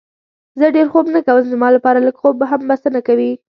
زه ډېر خوب نه کوم، زما لپاره لږ خوب هم بسنه کوي.